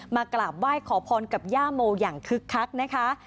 มากราบไหว้ขอพรกับย่าโมอย่างคึกคักนะคะ